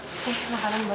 makasih ya makasih banget